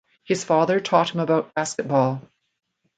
His father taught him about basketball.